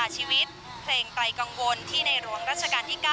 ชีวิตเพลงไกลกังวลที่ในหลวงรัชกาลที่๙